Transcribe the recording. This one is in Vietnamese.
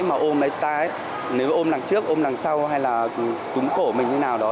nếu mà ôm lấy tay nếu ôm lằng trước ôm lằng sau hay là túng cổ mình như nào đó